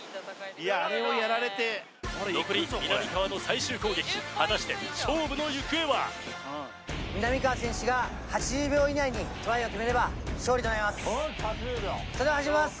残りみなみかわの最終攻撃果たして勝負の行方はみなみかわ選手が８０秒以内にトライを決めれば勝利となりますよし８０秒それでは始めます！